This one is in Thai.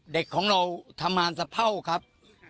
เด็กของเราทำงานสะเผ่าครับ